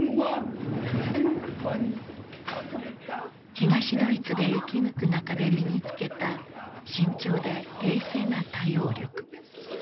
東ドイツで生き抜く中で身に付けた慎重で冷静な対応力。